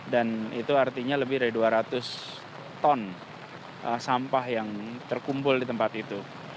dan itu artinya lebih dari dua ratus ton sampah yang terkumpul di tempat itu